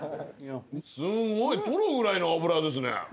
すごいトロぐらいの脂ですね。